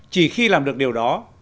chỉ khi làm được điều đó